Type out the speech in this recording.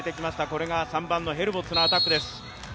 これが３番のヘルボッツのアタックです。